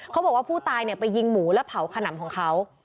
เขาบอกว่าผู้ตายไปยิงหมูและเผาขนำของเขา